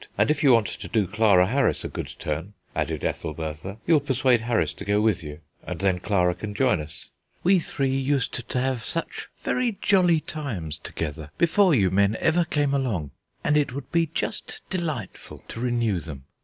And if you want to do Clara Harris a good turn," added Ethelbertha, "you'll persuade Harris to go with you, and then Clara can join us. We three used to have some very jolly times together before you men ever came along, and it would be just delightful to renew them.